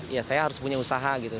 ya saya harus punya usaha gitu